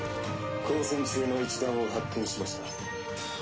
交戦中の一団を発見しました。